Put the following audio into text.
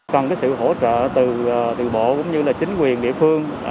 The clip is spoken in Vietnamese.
còn cái sự hỗ trợ từ bộ cũng như là chính quyền địa phương